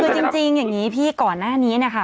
คือจริงอย่างนี้พี่ก่อนหน้านี้นะคะ